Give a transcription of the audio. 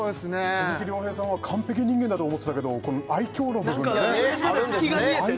鈴木亮平さんは完璧人間だと思ってたけど愛嬌の部分がね何かねあるんですね